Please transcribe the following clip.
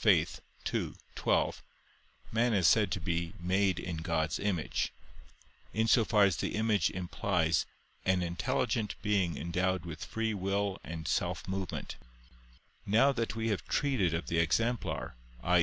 ii, 12), man is said to be made in God's image, in so far as the image implies "an intelligent being endowed with free will and self movement": now that we have treated of the exemplar, i.